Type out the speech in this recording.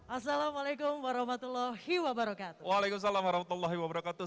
assalamualaikum warahmatullahi wabarakatuh waalaikumsalam warahmatullahi wabarakatuh